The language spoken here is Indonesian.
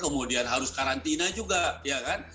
kemudian harus karantina juga ya kan